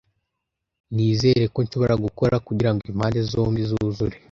Nizere ko nshobora gukora kugirango impande zombi zuzure.